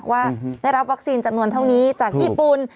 ว่าได้รับวัคซีนจำนวนเท่านี้จากญี่ปุ่น